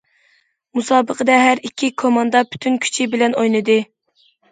مۇسابىقىدە ھەر ئىككى كوماندا پۈتۈن كۈچى بىلەن ئوينىدى.